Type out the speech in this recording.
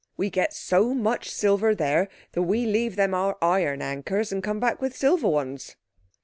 We get so much silver there that we leave them our iron anchors and come back with silver ones."